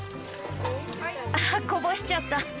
あこぼしちゃった。